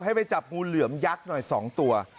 ให้ไปจับงูเหลือมยักษ์หน่อย๒ตัว